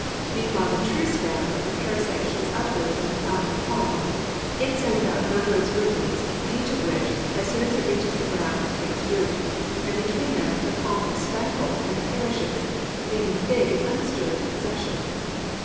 Meanwhile, the true stem of the parasite shoots upward from the crown of the palm. It sends out numberless rootlets, each of which, as soon as it reaches the ground, takes root; and between them the palm is stifled and perishes, leaving the fig in undisturbed possession.